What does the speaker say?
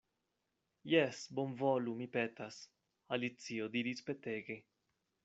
"Jes, bonvolu, mi petas," Alicio diris petege.